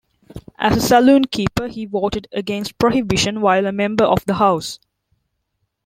As a saloon keeper he voted against Prohibition while a member of the House.